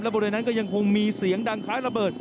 บริเวณนั้นก็ยังคงมีเสียงดังคล้ายระเบิด